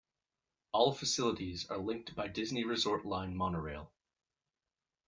All facilities are linked by Disney Resort Line monorail.